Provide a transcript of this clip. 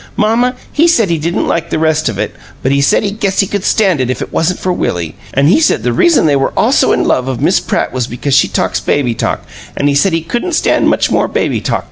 Mamma, he said he didn't like the rest of it, but he said he guessed he could stand it if it wasn't for Willie. An' he said the reason they were all so in love of Miss Pratt was because she talks baby talk, an' he said he couldn't stand much more baby talk.